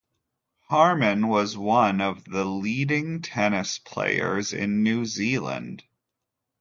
Harman was one of the leading tennis players in New Zealand.